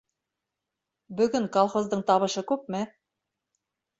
Бөгөн колхоздың табышы күпме?